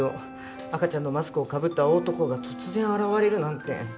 赤ちゃんのマスクをかぶった大男が突然現れるなんて。